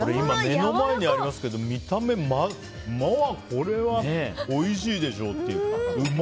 目の前にありますけどこれはおいしいでしょうっていう。